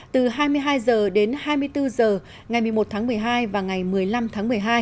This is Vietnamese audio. từ hai mươi hai h đến hai mươi bốn h ngày một mươi một tháng một mươi hai và ngày một mươi năm tháng một mươi hai